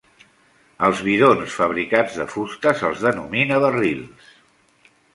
Als bidons fabricats de fusta se'ls denomina barrils.